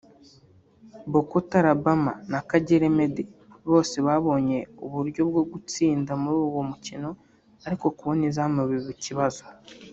Bokota Labama na Kagere Meddy bose babonye uburyo bwo gutsinda muri uwo mukino ariko kubona izamu biba ikibazo